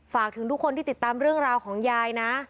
ฝากถึงทุกคนที่ติดตามเรื่องราวของยายนะ